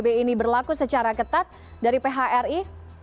psbb ini berlaku secara ketat dari phri